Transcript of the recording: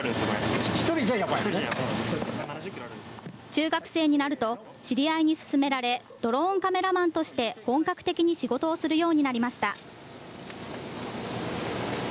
中学生になると、知り合いに勧められ、ドローンカメラマンとして本格的に仕事をするようになりました。